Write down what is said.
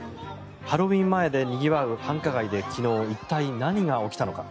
ハロウィーン前でにぎわう繁華街で昨日、一体何が起きたのか。